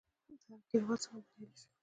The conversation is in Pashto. دغه کليوال څنګه بريالي شول؟